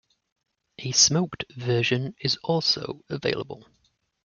A smoked version is also available.